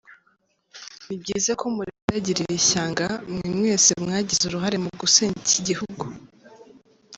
Ni byiza ko murindagirira ishyanga mwe mwese mwagize uruhare mu gusenya iki gihugu.